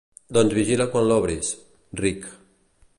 Doncs vigila quan l'obris —ric—.